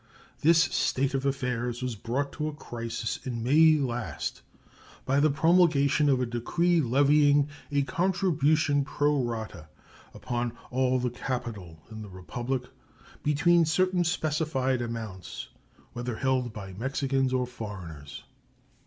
This state of affairs was brought to a crisis in May last by the promulgation of a decree levying a contribution pro rata upon all the capital in the Republic between certain specified amounts, whether held by Mexicans or foreigners.